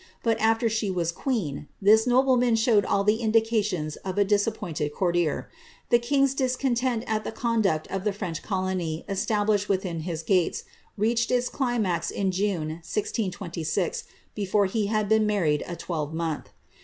But after she was queen, this nobleman showed all the indications of a disappointed courtier. The king's dis content at the conduct of the French colony established within his gates, reached its climax in June, 1626, before he had been married a twelve month.